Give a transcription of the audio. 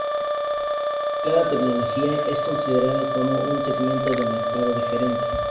Cada tecnología es considerada como un segmento de mercado diferente.